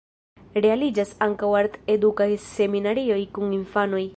Realiĝas ankaŭ art-edukaj seminarioj kun infanoj.